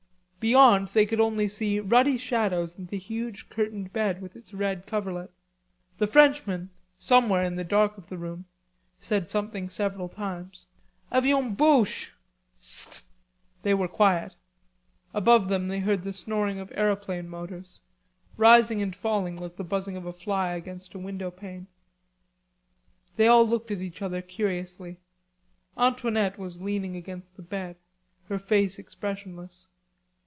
Beyond they could only see ruddy shadows and the huge curtained bed with its red coverlet. The Frenchman, somewhere in the dark of the room, said something several times. "Avions boches... ss t!" They were quiet. Above them they heard the snoring of aeroplane motors, rising and falling like the buzzing of a fly against a window pane. They all looked at each other curiously. Antoinette was leaning against the bed, her face expressionless.